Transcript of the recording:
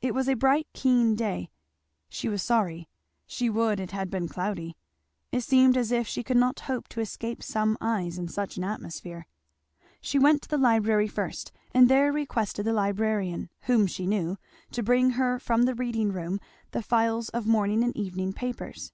It was a bright keen day; she was sorry; she would it had been cloudy. It seemed as if she could not hope to escape some eyes in such an atmosphere. She went to the library first, and there requested the librarian, whom she knew, to bring her from the reading room the files of morning and evening papers.